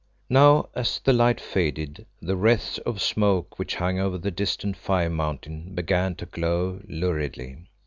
Now as the light faded the wreaths of smoke which hung over the distant Fire mountain began to glow luridly.